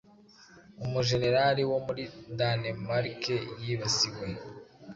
umujenerali wo muri Danemarkeyibasiwe